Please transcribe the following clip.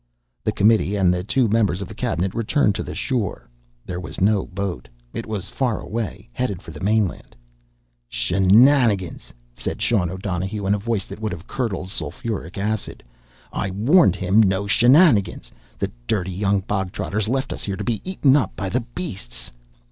The committee and the two members of the cabinet returned to the shore. There was no boat. It was far away, headed for the mainland. "Shenanigans!" said Sean O'Donohue in a voice that would have curdled sulphuric acid. "I warned him no shenanigans! The dirty young bog trotter's left us here to be eaten up by the beasts!"